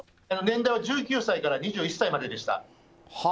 年代は１９歳から２１歳まででした。